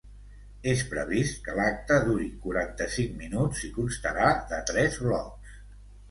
És previst que l’acte duri quaranta-cinc minuts i constarà de tres blocs.